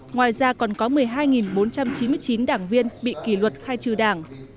ngoài ra còn có một mươi hai bốn trăm chín mươi chín đảng viên bị kỷ luật khai trừ đảng